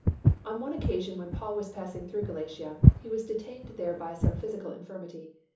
On one occasion when Paul was passing through Galatia, he was detained there by some physical infirmity.